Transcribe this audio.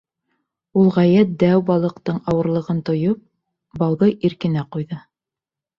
Ул, ғәйәт дәү балыҡтың ауырлығын тойоп, бауҙы иркенә ҡуйҙы.